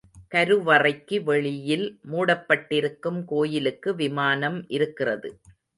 கருவறைக்கு வெளியில் மூடப்பட்டிருக்கும் கோயிலுக்கு விமானம் இருக்கிறது.